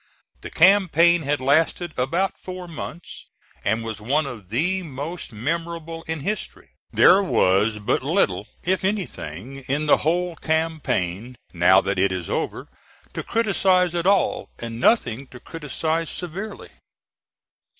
The campaign had lasted about four months, and was one of the most memorable in history. There was but little if anything in the whole campaign, now that it is over, to criticise at all, and nothing to criticise severely.